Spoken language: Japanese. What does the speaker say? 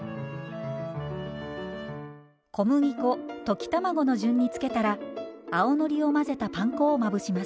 小麦粉溶き卵の順に付けたら青のりを混ぜたパン粉をまぶします。